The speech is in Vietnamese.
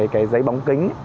cái giấy bóng kính